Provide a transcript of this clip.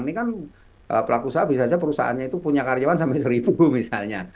ini kan pelaku usaha bisa saja perusahaannya itu punya karyawan sampai seribu misalnya